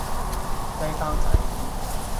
雞包仔